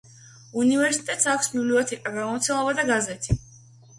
უნივერსიტეტს აქვს ბიბლიოთეკა, გამომცემლობა და გაზეთი.